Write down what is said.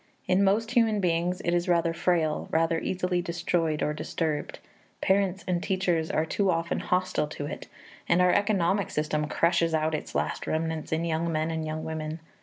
In most human beings it is rather frail, rather easily destroyed or disturbed; parents and teachers are too often hostile to it, and our economic system crushes out its last remnants in young men and young women.